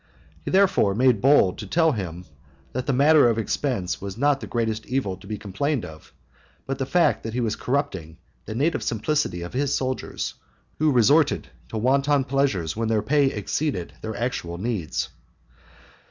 He therefore made bold to tell him that the matter of expense was not the greatest evil to be complained of, but the fact that he was corrupting the native simplicity of his soldiers, who resorted to wanton pleasures when their pay exceeded their actual needs.